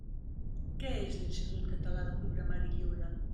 Què és l'Institut Català de Programari Lliure?